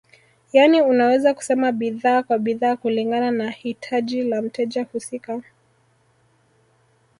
Yani unaweza kusema bidhaa kwa bidhaa kulingana na hitaji la mteja husika